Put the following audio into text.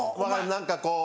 何かこう。